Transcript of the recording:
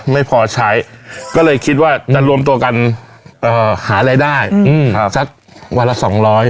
ไม่พอใช้ก็เลยคิดว่าจะรวมตัวกันหารายได้สักวันละสองร้อย